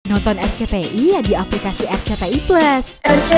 nonton rcti di aplikasi rcti plus